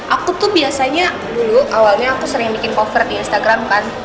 aku tuh biasanya dulu awalnya aku sering bikin pofer di instagram kan